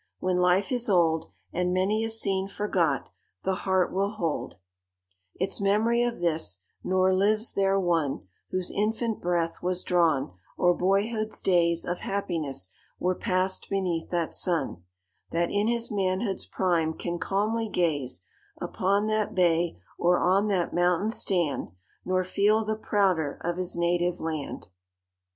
When life is old, And many a scene forgot, the heart will hold "Its memory of this; nor lives there one Whose infant breath was drawn, or boyhood's days Of happiness were passed beneath that sun, That in his manhood's prime can calmly gaze Upon that bay, or on that mountain stand, Nor feel the prouder of his native land."